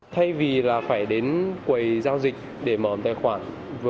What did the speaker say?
thay vì là phải đến quầy giao dịch để mở tài khoản